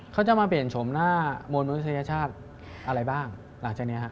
เขาจะมาเปลี่ยนชมหน้ามวลมนุษยชาติอะไรบ้างหลังจากนี้ฮะ